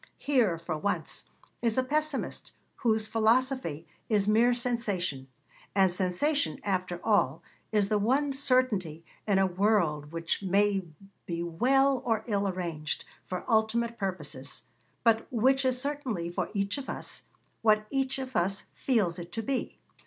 Here, for once, is a pessimist whose philosophy is mere sensation and sensation, after all, is the one certainty in a world which may be well or ill arranged, for ultimate purposes, but which is certainly, for each of us, what each of us feels it to be.